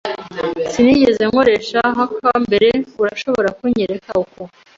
Sinigeze nkoresha hackaw mbere. Urashobora kunyereka uko?